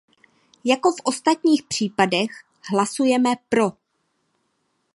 Jako v ostatních případech hlasujeme pro.